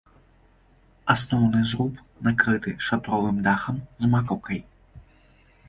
Асноўны зруб накрыты шатровым дахам з макаўкай.